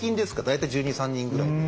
大体１２１３人ぐらい。